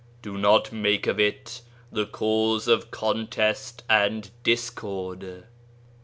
Do not make of it the cause of contest and discord.